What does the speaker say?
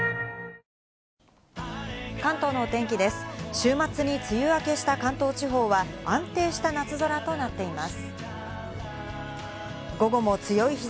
週末に梅雨明けした関東地方は安定した夏空となっています。